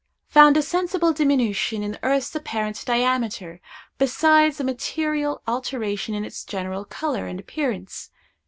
Found a sensible diminution in the earth's apparent diameter, besides a material alteration in its general color and appearance.